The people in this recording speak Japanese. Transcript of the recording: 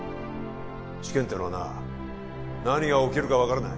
試験ってのはな何が起きるか分からない